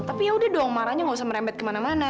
tapi yaudah dong marahnya nggak usah merembet kemana mana